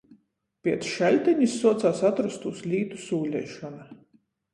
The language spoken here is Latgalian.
Piec šaļtenis suocās atrostūs lītu sūleišona.